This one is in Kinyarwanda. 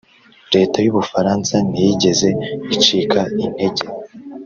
Leta y u Bufaransa ntiyigeze icika intege